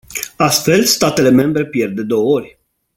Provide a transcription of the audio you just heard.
Astfel, statele membre pierd de două ori.